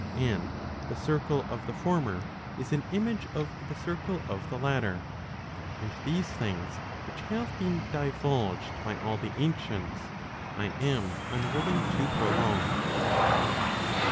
Digitized by t^OOQLe AND FATE. 451 \ the circle of the former is an image of the circle of the latter. And these things which have been divulged by all the ancients, I am unwilling to prolong.